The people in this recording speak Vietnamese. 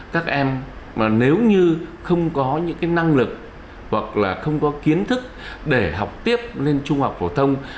các em mà nếu như không có những cái năng lực hoặc là không có kiến thức để học tiếp lên trung học phổ thông